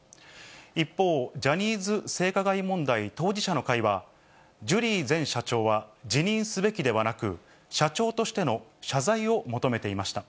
一方、ジャニーズ性加害問題当事者の会は、ジュリー前社長は辞任すべきではなく、社長としての謝罪を求めていました。